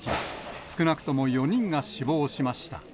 少なくとも４人が死亡しました。